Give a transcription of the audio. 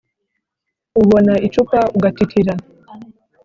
ubona icupa ugatitira